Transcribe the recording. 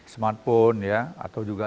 smartphone atau juga